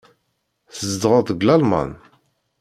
Tzedɣeḍ deg Lalman?